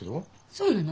そうなの？